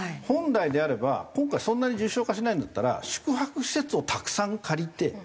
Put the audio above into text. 本来であれば今回そんなに重症化しないんだったら宿泊施設をたくさん借りて。